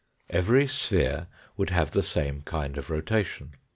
Every sphere would have the same kind of rotation.